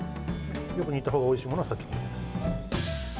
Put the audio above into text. よく煮たほうがおいしいものは先に入れる。